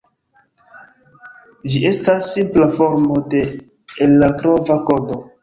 Ĝi estas simpla formo de erartrova kodo.